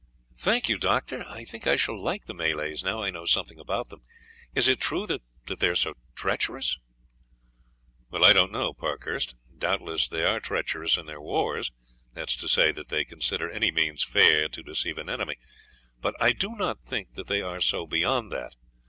"Thank you, Doctor; I think I shall like the Malays now I know something about them. Is it true that they are so treacherous?" "I don't know, Parkhurst; doubtless they are treacherous in their wars; that is to say that they consider any means fair to deceive an enemy; but I do not think that they are so, beyond that.